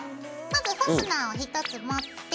まずファスナーを１つ持って。